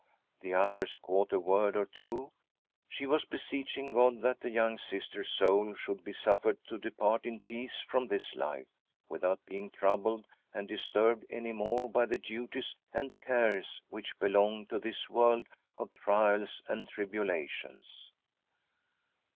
The ' others caught a word or two — she was beseeching God that the young Sister's soul should be suffered to depart in peace from this life, without being troubled and disturbed any more by the duties and cares which belong to this world of trials and tribulations.